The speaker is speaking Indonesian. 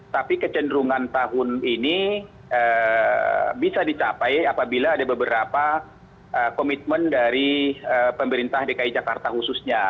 tapi kecenderungan tahun ini bisa dicapai apabila ada beberapa komitmen dari pemerintah dki jakarta khususnya